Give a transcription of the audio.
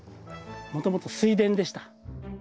もともと水田でした。